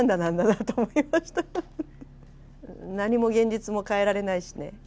何も現実も変えられないしね。